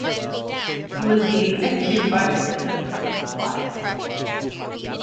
He was the executive vice president of the Flyers.